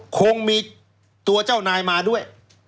คงมีตัวเจ้านายมาด้วย